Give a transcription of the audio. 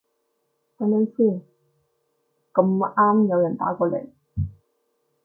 等等先，咁啱有人打過來